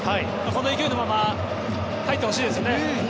この勢いのまま勝ってほしいですね。